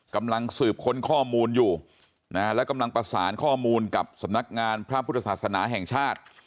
กำลังสืบค้นข้อมูลอยู่นะฮะและกำลังประสานข้อมูลกับสำนักงานพระพุทธศาสนาแห่งชาติ